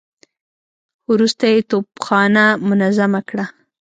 وروسته يې توپخانه منظمه کړه.